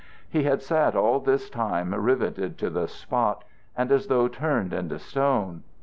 He had sat all this time rivetted to the spot, and as though turned into stone.